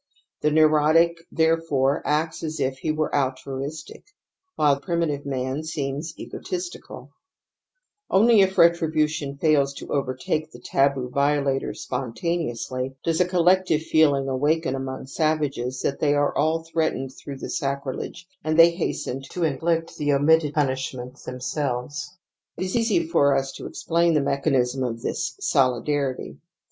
The ""''^ iHie^werealj^^ egotisticaL Oinyifretrn)uBon fails to overtake tEetaboo violator spontaneously does a collec tive feeling awaken among savages that they are all threatened through the sacrilege, and they hasten to inflict the omitted punishment them selves. It is easy for us to explain the mechan ism of this solidarity.